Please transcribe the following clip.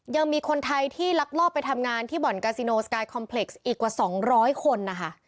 ยังมีคนไทยที่ลักลอบไปทำงานที่บ่อนกาซิโนสกายคอมเพล็กซ์อีกกว่า๒๐๐คนนะคะ